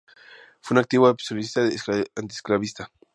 Fue un activo abolicionista antiesclavista.